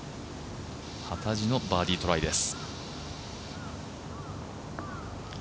幡地のバーディートライです。